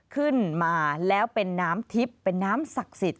ขึ้นมาแล้วเป็นน้ำทิพย์เป็นน้ำศักดิ์สิทธิ